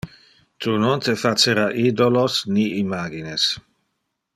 Tu non te facera idolos, ni imagines.